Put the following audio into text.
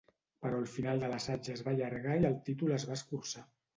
“però al final l'assaig es va allargar i el títol es va escurçar”.